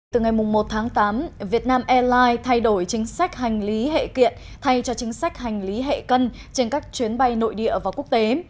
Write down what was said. từ ngày một tháng tám vietnam airlines thay đổi chính sách hành lý hệ kiện thay cho chính sách hành lý hệ cân trên các chuyến bay nội địa và quốc tế